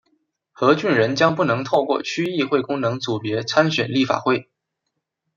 何俊仁将不能透过区议会功能组别参选立法会。